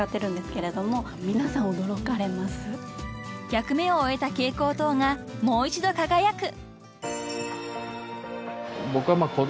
［役目を終えた蛍光灯がもう一度輝く］